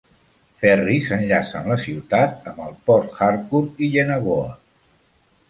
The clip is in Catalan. Ferris enllacen la ciutat amb el port Harcourt i Yenagoa.